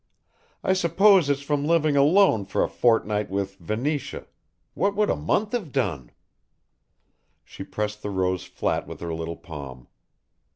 "I suppose it's from living alone for a fortnight with Venetia what would a month have done!" She pressed the rose flat with her little palm.